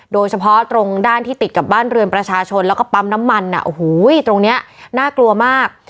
โดยเฉพาะตรงด้านที่ติดกับบ้านเรือนประชาชนแล้วก็ปั๊มน้ำมันโอ้โหตรงนี้น่ากลัวมาก